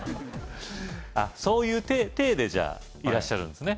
あっそういうていでじゃあいらっしゃるんですね